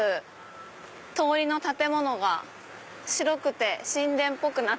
通りの建物が白くて神殿っぽくなってます。